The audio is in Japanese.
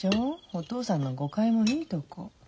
お父さんの誤解もいいとこ。